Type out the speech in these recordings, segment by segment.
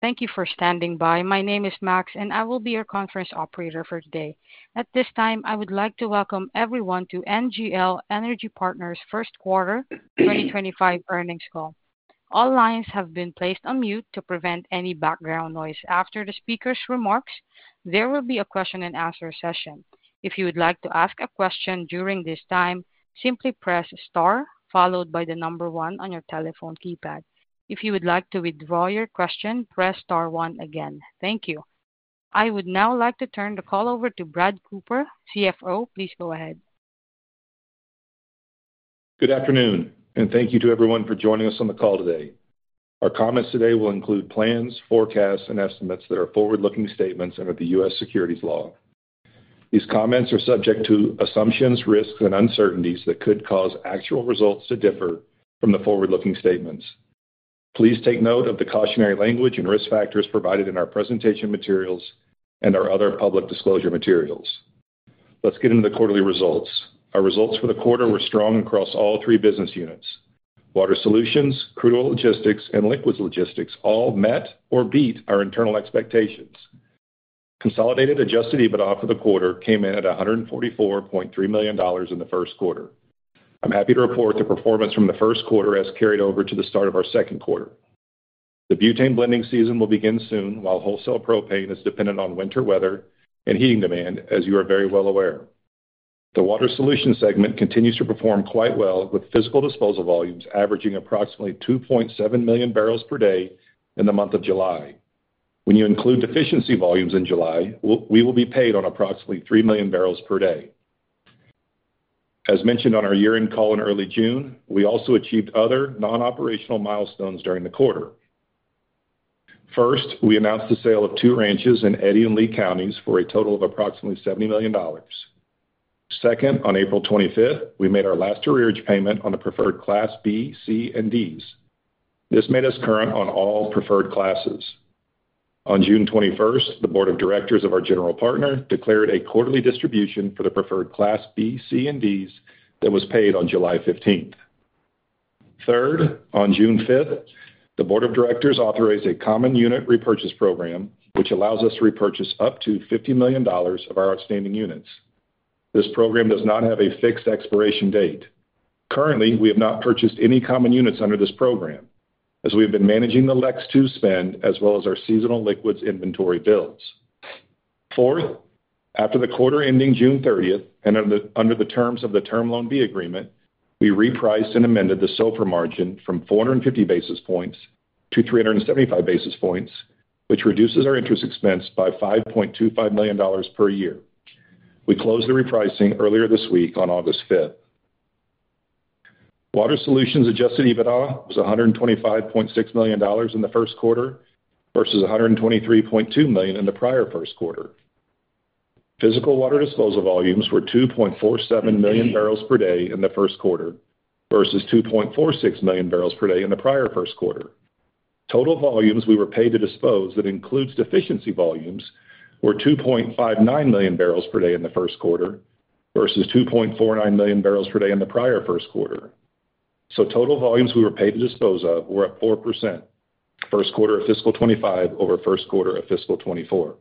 Thank you for standing by. My name is Max, and I will be your conference operator for today. At this time, I would like to welcome everyone to NGL Energy Partners first Q1 2025 earnings call. All lines have been placed on mute to prevent any background noise. After the speaker's remarks, there will be a question-and-answer session. If you would like to ask a question during this time, simply press Star followed by the number one on your telephone keypad. If you would like to withdraw your question, press Star one again. Thank you. I would now like to turn the call over to Brad Cooper, CFO. Please go ahead. Good afternoon, and thank you to everyone for joining us on the call today. Our comments today will include plans, forecasts, and estimates that are forward-looking statements under the U.S. securities laws. These comments are subject to assumptions, risks, and uncertainties that could cause actual results to differ from the forward-looking statements. Please take note of the cautionary language and risk factors provided in our presentation materials and our other public disclosure materials. Let's get into the quarterly results. Our results for the quarter were strong across all three business units. Water Solutions, Crude Oil Logistics, and Liquids Logistics all met or beat our internal expectations. Consolidated Adjusted EBITDA for the quarter came in at $144.3 million in the first quarter. I'm happy to report the performance from the first quarter has carried over to the start of our second quarter. The butane blending season will begin soon, while wholesale propane is dependent on winter weather and heating demand, as you are very well aware. The Water Solutions segment continues to perform quite well, with physical disposal volumes averaging approximately 2.7 million barrels per day in the month of July. When you include deficiency volumes in July, we will be paid on approximately 3 million barrels per day. As mentioned on our year-end call in early June, we also achieved other non-operational milestones during the quarter. First, we announced the sale of two ranches in Eddy and Lea counties for a total of approximately $70 million. Second, on April 25, we made our last arrearage payment on the preferred Class B, C, and Ds. This made us current on all preferred classes. On June 21st, the board of directors of our general partner declared a quarterly distribution for the preferred Class B, C, and Ds that was paid on July 15th. Third, on June 5th, the board of directors authorized a common unit repurchase program, which allows us to repurchase up to $50 million of our outstanding units. This program does not have a fixed expiration date. Currently, we have not purchased any common units under this program, as we have been managing the LEX II spend as well as our seasonal liquids inventory builds. Fourth, after the quarter ending June 30th, and under the terms of the Term Loan B agreement, we repriced and amended the SOFR margin from 450 basis points to 375 basis points, which reduces our interest expense by $5.25 million per year. We closed the repricing earlier this week on August 5. Water Solutions Adjusted EBITDA was $125.6 million in the first quarter versus $123.2 million in the prior first Q1. Physical water disposal volumes were 2.47 million barrels per day in the first Q1 versus 2.46 million barrels per day in the prior first Q1. Total volumes we were paid to dispose, that includes deficiency volumes, were 2.59 million barrels per day in the first Q1 versus 2.49 million barrels per day in the prior first Q1. So total volumes we were paid to dispose of were up 4%, first Q1 of fiscal 2025 over first Q1 of fiscal 2024.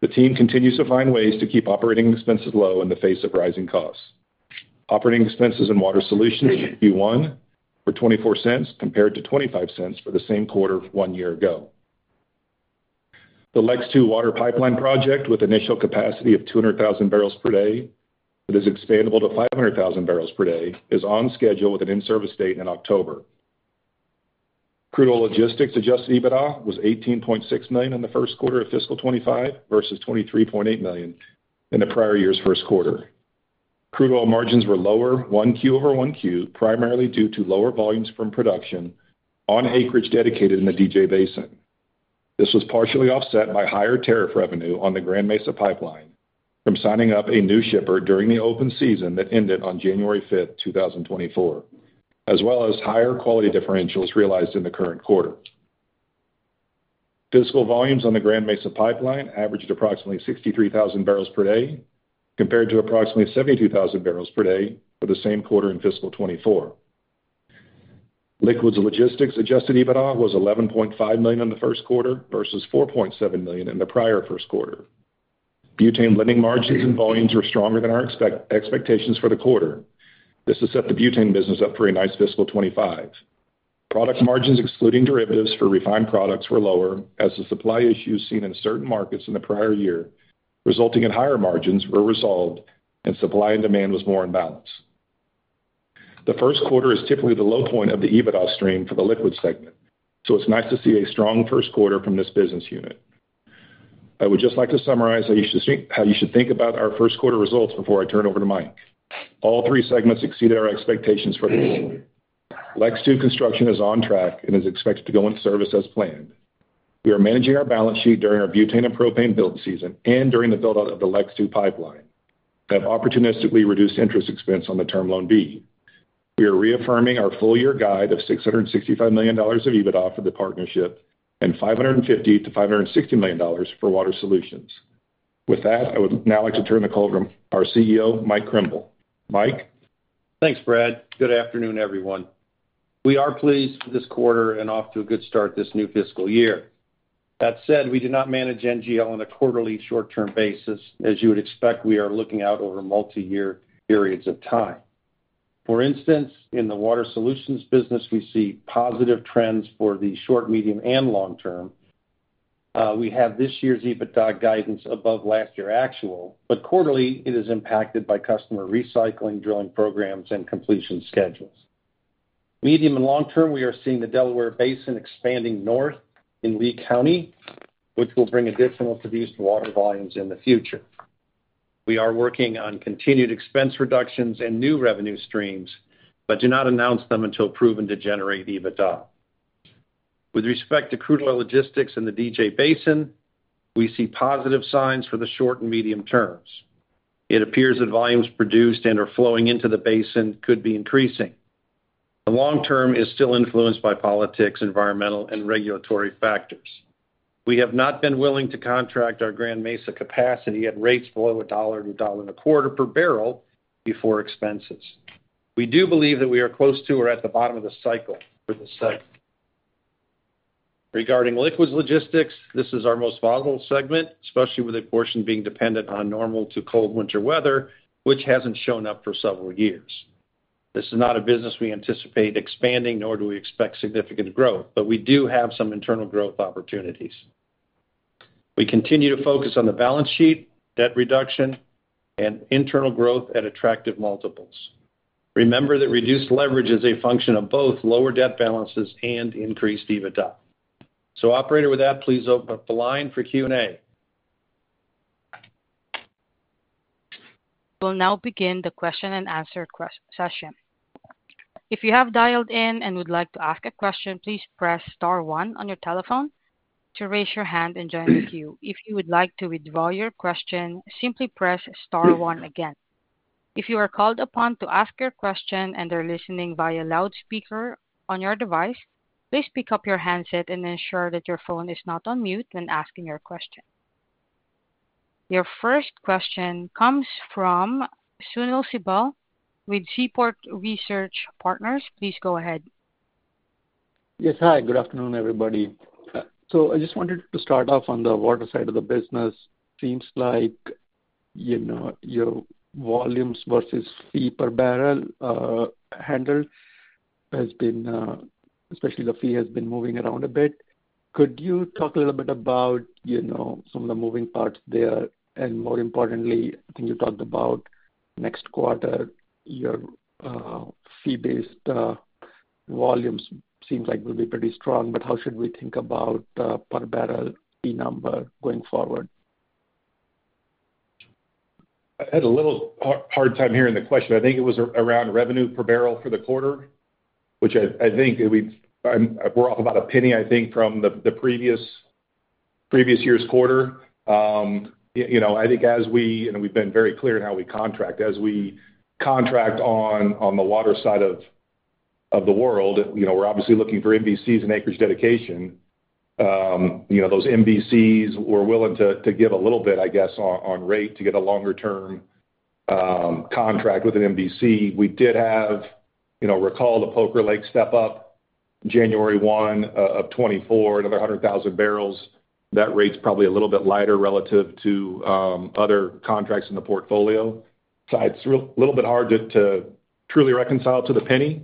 The team continues to find ways to keep operating expenses low in the face of rising costs. Operating expenses in Water Solutions should be $0.14, compared to $0.25 for the same Q1 one year ago. The LEX II water pipeline project, with initial capacity of 200,000 barrels per day, that is expandable to 500,000 barrels per day, is on schedule with an in-service date in October. Crude Oil Logistics Adjusted EBITDA was $18.6 million in the first Q1 of fiscal 2025 versus $23.8 million in the prior year's first Q1. Crude oil margins were lower, 1Q over 1Q, primarily due to lower volumes from production on acreage dedicated in the DJ Basin. This was partially offset by higher tariff revenue on the Grand Mesa Pipeline from signing up a new shipper during the open season that ended on January 5, 2024, as well as higher quality differentials realized in the current quarter. Physical volumes on the Grand Mesa Pipeline averaged approximately 63,000 barrels per day, compared to approximately 72,000 barrels per day for the same quarter in fiscal 2024. Liquids Logistics Adjusted EBITDA was $11.5 million in the first Q1 versus $4.7 million in the prior first Q1. Butane blending margins and volumes were stronger than our expectations for the Q1. This has set the butane business up for a nice fiscal 2025. Product margins, excluding derivatives for refined products, were lower as the supply issues seen in certain markets in the prior year, resulting in higher margins, were resolved and supply and demand was more in balance. The first Q1 is typically the low point of the EBITDA stream for the liquid segment, so it's nice to see a strong first quarter from this business unit. I would just like to summarize how you should think, how you should think about our first quarter results before I turn it over to Mike. All three segments exceeded our expectations for the quarter. LEX II construction is on track and is expected to go in service as planned. We are managing our balance sheet during our butane and propane build season and during the build-out of the LEX II pipeline, have opportunistically reduced interest expense on the Term Loan B. We are reaffirming our full-year guide of $665 million of EBITDA for the partnership and $550 million-$560 million for Water Solutions. With that, I would now like to turn the call over to our CEO, Mike Krimbill. Mike?... Thanks, Brad. Good afternoon, everyone. We are pleased with this quarter and off to a good start this new fiscal year. That said, we do not manage NGL on a quarterly short-term basis. As you would expect, we are looking out over multiyear periods of time. For instance, in the Water Solutions business, we see positive trends for the short, medium, and long term. We have this year's EBITDA guidance above last year actual, but quarterly, it is impacted by customer recycling, drilling programs, and completion schedules. Medium and long term, we are seeing the Delaware Basin expanding north in Lea County, which will bring additional produced water volumes in the future. We are working on continued expense reductions and new revenue streams, but do not announce them until proven to generate EBITDA. With respect to crude oil logistics in the DJ Basin, we see positive signs for the short and medium terms. It appears that volumes produced and are flowing into the basin could be increasing. The long term is still influenced by politics, environmental, and regulatory factors. We have not been willing to contract our Grand Mesa capacity at rates below $1-$1.25 per barrel before expenses. We do believe that we are close to or at the bottom of the cycle for this segment. Regarding liquids logistics, this is our most volatile segment, especially with a portion being dependent on normal to cold winter weather, which hasn't shown up for several years. This is not a business we anticipate expanding, nor do we expect significant growth, but we do have some internal growth opportunities. We continue to focus on the balance sheet, debt reduction, and internal growth at attractive multiples. Remember that reduced leverage is a function of both lower debt balances and increased EBITDA. So operator, with that, please open up the line for Q&A. We'll now begin the question-and-answer session. If you have dialed in and would like to ask a question, please press star one on your telephone to raise your hand and join the queue. If you would like to withdraw your question, simply press star one again. If you are called upon to ask your question and are listening via loudspeaker on your device, please pick up your handset and ensure that your phone is not on mute when asking your question. Your first question comes from Sunil Sibal with Seaport Research Partners. Please go ahead. Yes. Hi, good afternoon, everybody. So I just wanted to start off on the water side of the business. Seems like, you know, your volumes versus fee per barrel handled has been, especially the fee, has been moving around a bit. Could you talk a little bit about, you know, some of the moving parts there? And more importantly, I think you talked about next quarter, your fee-based volumes seems like will be pretty strong, but how should we think about per barrel fee number going forward? I had a little hard time hearing the question. I think it was around revenue per barrel for the quarter, which I think we're off about $0.01, I think, from the previous year's quarter. You know, I think. We've been very clear in how we contract. As we contract on the water side of the world, you know, we're obviously looking for MVCs and acreage dedication. You know, those MVCs, we're willing to give a little bit, I guess, on rate to get a longer-term contract with an MVC. We did have, you know, recall the Poker Lake step-up, January 1, 2024, another 100,000 barrels. That rate's probably a little bit lighter relative to other contracts in the portfolio. So it's really a little bit hard to truly reconcile to the penny.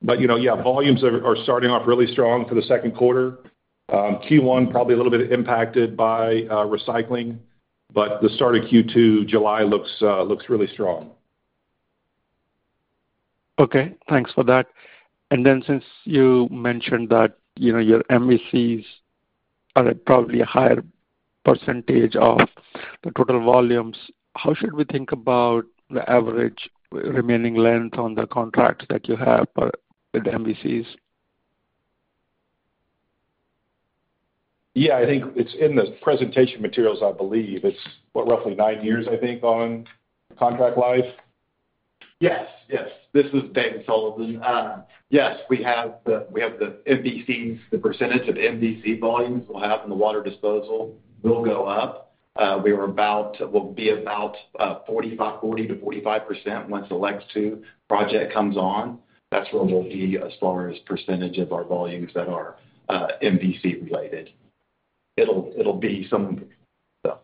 But you know, yeah, volumes are starting off really strong for the second quarter. Q1, probably a little bit impacted by recycling, but the start of Q2, July looks really strong. Okay, thanks for that. And then since you mentioned that, you know, your MVCs are at probably a higher percentage of the total volumes, how should we think about the average remaining length on the contracts that you have for, with the MVCs? Yeah, I think it's in the presentation materials, I believe. It's, what, roughly 9 years, I think, on contract life. Yes, yes. This is David Sullivan. Yes, we have the MVCs. The percentage of MVC volumes we'll have in the water disposal will go up. We'll be about 40%-45% once the LEX II project comes on. That's where we'll be as far as percentage of our volumes that are MVC related. It'll be some, so.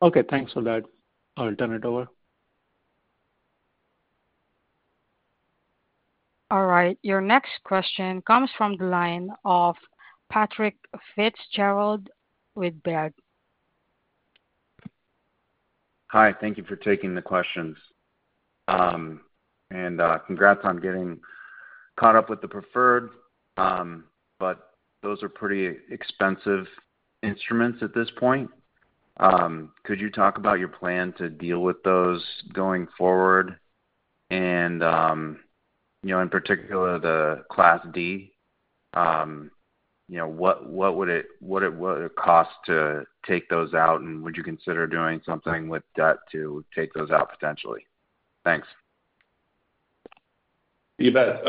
Okay, thanks for that. I'll turn it over. All right, your next question comes from the line of Patrick Fitzgerald with Baird. Hi, thank you for taking the questions. Congrats on getting caught up with the preferred, but those are pretty expensive instruments at this point. Could you talk about your plan to deal with those going forward? And, you know, in particular, the Class D, you know, what would it cost to take those out? And would you consider doing something with debt to take those out potentially? Thanks.... You bet.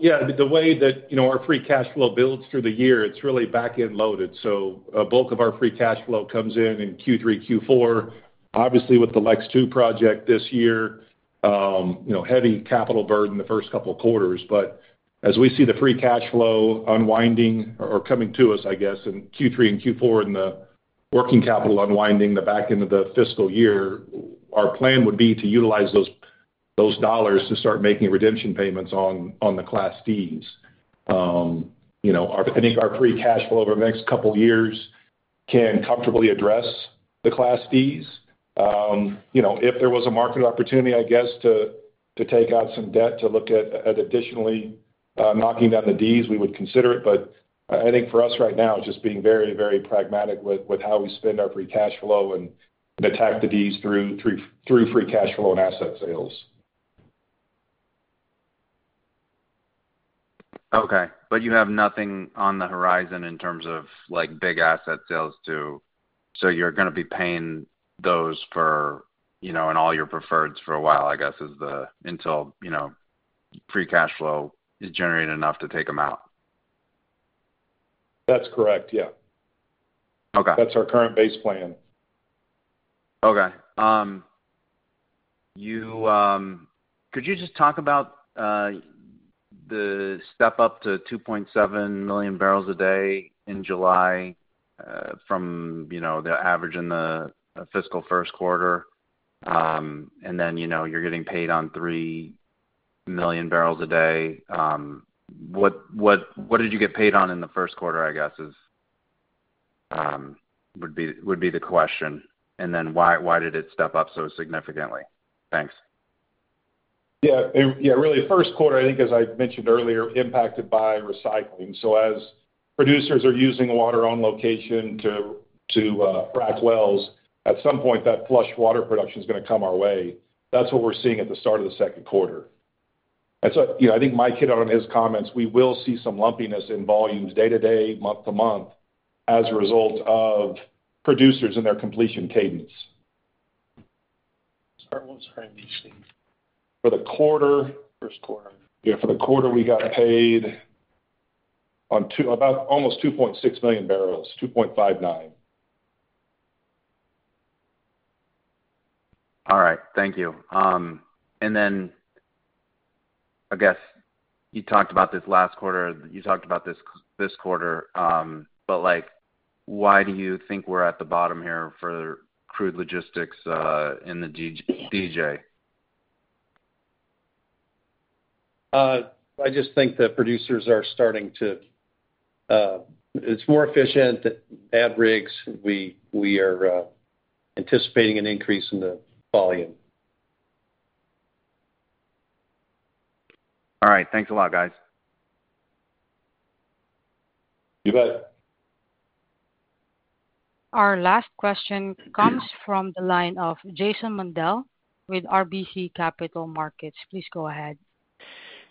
Yeah, the way that, you know, our free cash flow builds through the year, it's really back-end loaded. So a bulk of our free cash flow comes in in Q3, Q4. Obviously, with the LEX II project this year, you know, heavy capital burden the first couple of quarters. But as we see the free cash flow unwinding or coming to us, I guess, in Q3 and Q4, and the working capital unwinding the back end of the fiscal year, our plan would be to utilize those, those dollars to start making redemption payments on, on the Class Ds. You know, our, I think our free cash flow over the next couple of years can comfortably address the Class Ds. You know, if there was a market opportunity, I guess, to take out some debt to look at additionally knocking down the Ds, we would consider it. But I think for us right now, just being very, very pragmatic with how we spend our free cash flow and attack the Ds through free cash flow and asset sales. Okay, but you have nothing on the horizon in terms of, like, big asset sales to. So you're gonna be paying those for, you know, and all your preferreds for a while, I guess, is the, until, you know, free cash flow is generating enough to take them out? That's correct. Yeah. Okay. That's our current base plan. Okay. Could you just talk about the step-up to 2.7 million barrels a day in July from, you know, the average in the fiscal first quarter? And then, you know, you're getting paid on 3 million barrels a day. What did you get paid on in the first quarter, I guess, would be the question. And then why did it step up so significantly? Thanks. Yeah. Yeah, really, first quarter, I think, as I mentioned earlier, impacted by recycling. So as producers are using water on location to frack wells, at some point, that flush water production is gonna come our way. That's what we're seeing at the start of the second quarter. That's what—You know, I think Mike hit on in his comments, we will see some lumpiness in volumes day to day, month to month, as a result of producers and their completion cadence. Sorry, what were we on? For the Q1? First Q1. Yeah, for the Q1, we got paid on about almost 2.6 million barrels, 2.59. All right. Thank you. And then, I guess, you talked about this last Q1, you talked about this, the Q1, but, like, why do you think we're at the bottom here for crude logistics in the DJ? I just think that producers are starting to. It's more efficient to add rigs. We are anticipating an increase in the volume. All right. Thanks a lot, guys. You bet. Our last question comes from the line of Jason Mandel with RBC Capital Markets. Please go ahead.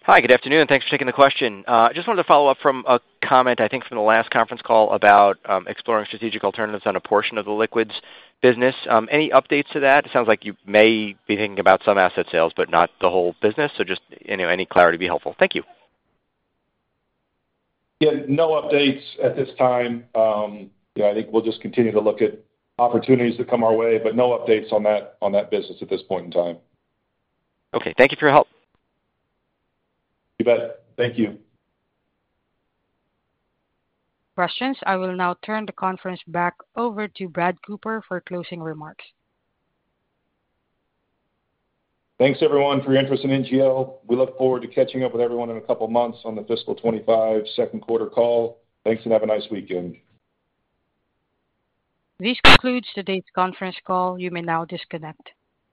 Hi, good afternoon, and thanks for taking the question. Just wanted to follow up from a comment, I think, from the last conference call about exploring strategic alternatives on a portion of the liquids business. Any updates to that? It sounds like you may be thinking about some asset sales, but not the whole business. So just, you know, any clarity would be helpful. Thank you. Yeah, no updates at this time. Yeah, I think we'll just continue to look at opportunities that come our way, but no updates on that, on that business at this point in time. Okay. Thank you for your help. You bet. Thank you. Questions? I will now turn the conference back over to Brad Cooper for closing remarks. Thanks, everyone, for your interest in NGL. We look forward to catching up with everyone in a couple of months on the fiscal 2025 second quarter call. Thanks, and have a nice weekend. This concludes today's conference call. You may now disconnect.